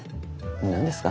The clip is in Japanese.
何ですか？